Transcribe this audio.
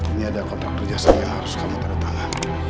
ini ada kontrak kerjasama yang harus kamu terutama